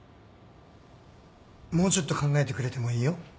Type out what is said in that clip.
もうちょっと考えてくれてもいいよ。